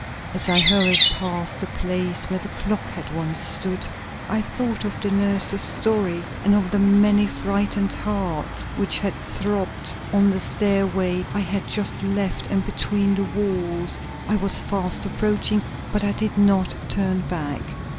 As I hurried past the place where the clock had once stood, I thought of the nurses' story and of the many frightened hearts which had throbbed on the stairway I had just left and between the walls I was fast approaching; but I did not turn back.